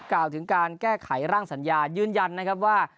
กล่าวถึงการแก้ไขร่างสัญญายืนยันนะครับว่า